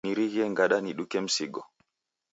Nirighie ngada niduke msigo.